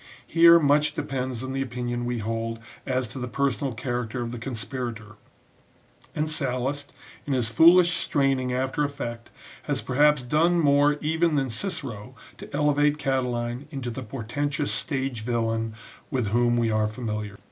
Here, much depends on the opinion we hold as to the personal character of the conspirator ; and Sallust, in his foolish straining after effect, has perhaps done more even than Cicero to elevate Catiline into the portentous stage villain with whom we are familiar.